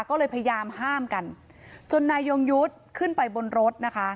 ก็เลยพยายามห้ามกันจนนายยงยุทธ์ขึ้นไปบนรถนะคะ